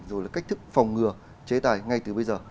rồi là cách thức phòng ngừa chế tài ngay từ bây giờ